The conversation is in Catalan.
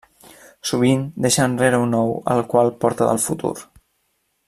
Sovint, deixa enrere un ou el qual porta del futur.